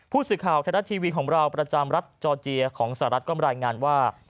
ผู้สื่อข่าวไทยรัฐทีวีของเราประจำรัฐจอร์เจียของสหรัฐก็รายงานว่า